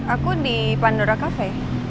aku di pandora cafe